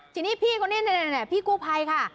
ทีนี้พี่กูภัยค่ะ